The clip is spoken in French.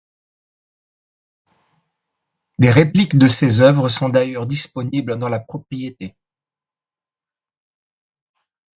Des répliques de ses oeuvres sont d'ailleurs disponibles dans la propriété.